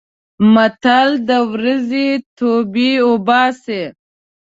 متل: د ورځې توبې اوباسي.